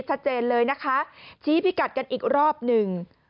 ชัดเจนเลยนะคะชี้พิกัดกันอีกรอบหนึ่ง